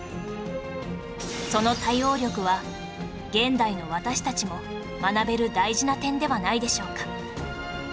その対応力は現代の私たちも学べる大事な点ではないでしょうか？